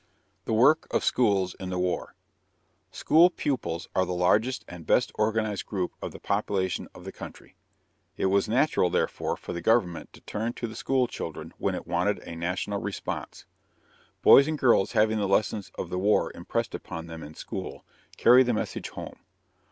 THE WORK OF SCHOOLS IN THE WAR. School pupils are the largest and best organized group of the population of the country. It was natural, therefore, for the government to turn to the school children when it wanted a national response. Boys and girls having the lessons of the war impressed upon them in school, carry the message home.